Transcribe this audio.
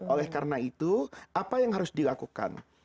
oleh karena itu apa yang harus dilakukan